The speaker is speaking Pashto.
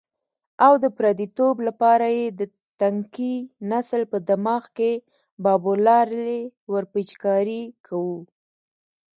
او د پردیتوب لپاره یې د تنکي نسل په دماغ کې بابولالې ورپېچکاري کوو.